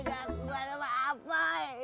ga buat apa apa